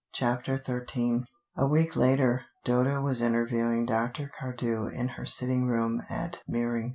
CHAPTER XIII A week later, Dodo was interviewing Dr. Cardew in her sitting room at Meering.